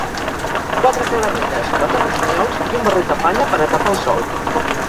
Quatre caderneres, quatre rossinyols i un barret de palla per a tapar el sol.